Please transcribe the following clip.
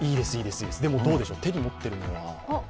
でも、どうでしょう、手に持ってるのは？